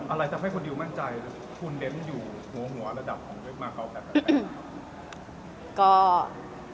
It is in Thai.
อะไรที่จะให้คุณดิวมั่นใจคุณเด้มอยู่หัวหัวระดับของเว็บมาร์เกาะแบบไหนนะครับ